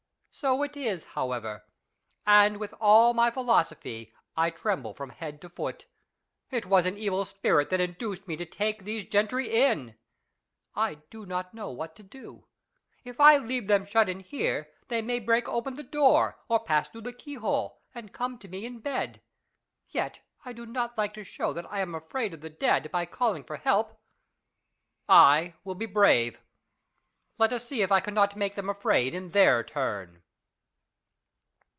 So it is how ever, and with all my philosophy I tremble from head to foot. It was an evil spirit that induced me to take these gentry in. I do not know what to do. If I leave them shut in here, they may break open the door, or pass through the keyhole, and come to me in bed. Yet I do not like to show that I am afraid of the dead by calling for help. I will be brave. Let us see if I cannot make them afraid in their turn.